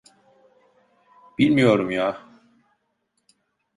Bilmiyorum ya.